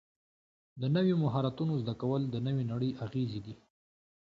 د نویو مهارتونو زده کول د نوې نړۍ اغېزې دي.